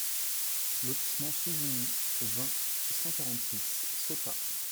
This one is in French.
Lotissement Susini, vingt, cent quarante-six Sotta